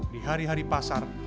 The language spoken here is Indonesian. di hari hari pasar